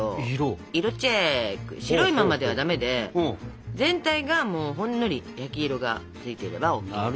白いままではダメで全体がほんのり焼き色がついてればＯＫね。